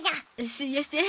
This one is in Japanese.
すいやせん。